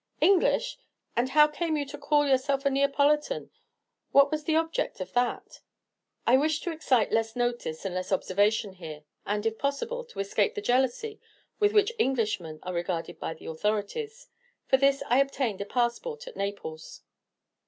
"English! and how came you to call yourself a Neapolitan? What was the object of that?" "I wished to excite less notice and less observation here, and, if possible, to escape the jealousy with which Englishmen are regarded by the authorities; for this I obtained a passport at Naples."